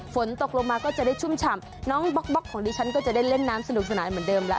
ฝนตกลงมาก็จะได้ชุ่มฉ่ำน้องบ๊อกของดิฉันก็จะได้เล่นน้ำสนุกสนานเหมือนเดิมแล้ว